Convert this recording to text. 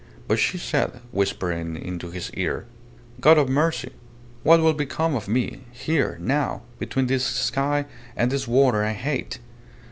But she said, whispering into his ear "God of mercy! What will become of me here now between this sky and this water I hate?